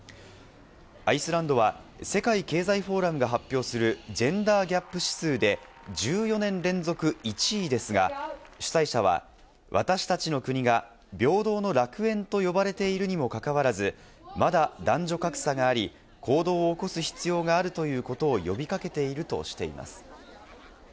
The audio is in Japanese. アイスランドは、世界経済フォーラムが発表するジェンダーギャップ指数で１４年連続１位ですが、主催者は私達の国が平等の楽園と呼ばれているにもかかわらず、まだ男女格差があり、行動を起こす必要があるということを呼び掛けているとしています。